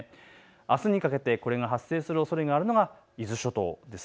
あすにかけてこれが発生するおそれがあるのが伊豆諸島です。